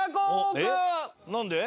何で？